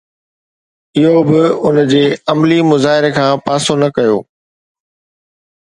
اهو به ان جي عملي مظاهري کان پاسو نه ڪيو